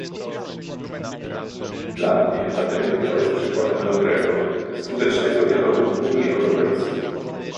Dla mnie ta dyrektywa jest przykładem dobrego, skutecznego dialogu w Unii Europejskiej